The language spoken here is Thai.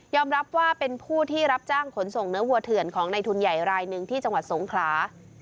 รับว่าเป็นผู้ที่รับจ้างขนส่งเนื้อวัวเถื่อนของในทุนใหญ่รายหนึ่งที่จังหวัดสงขลา